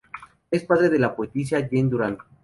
Es padre de la poetisa Jane Durán.